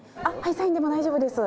サインでも大丈夫です。